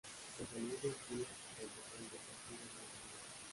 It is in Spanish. Tras salir del club regresó al Deportivo Maldonado.